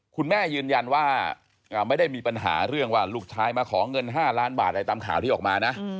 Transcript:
คุณแม่ยืนยันว่าไม่ได้มีปัญหาเรื่องว่าลูกชายมาขอเงิน๕ล้านบาทอะไรตามข่าวที่ออกมานะ